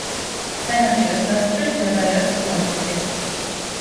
სანაპიროს გასწვრივ მდებარეობს პლაჟები.